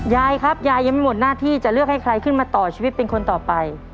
ยายครับยายยังไม่หมดหน้าที่จะเลือกให้ใครขึ้นมาต่อชีวิตเป็นคนต่อไป